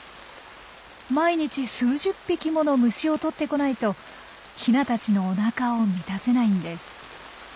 毎日数十匹もの虫をとってこないとヒナたちのおなかを満たせないんです。